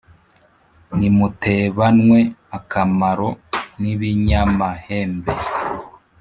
Nimutebanwe akamaro n'ibinyamahembe